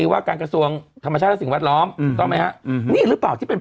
ว่าการกระทรวงธรรมชาติและสิ่งแวดล้อมถูกต้องไหมฮะอืมนี่หรือเปล่าที่เป็น